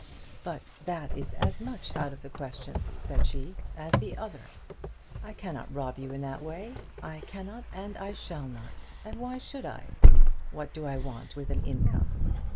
"But that is as much out of the question," said she, "as the other. I cannot rob you in that way. I cannot and I shall not. And why should I? What do I want with an income?